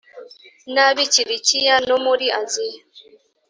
n ab i kilikiya no muri aziya